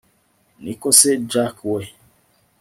niko se jack we